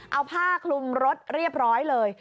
เอาผ้าคลุมรถเรียบร้อยเลย